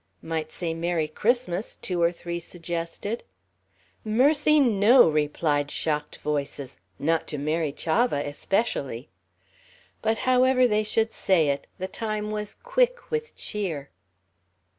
"Might say 'Merry Christmas,'" two or three suggested. "Mercy, no!" replied shocked voices, "not to Mary Chavah, especially." But however they should say it, the time was quick with cheer.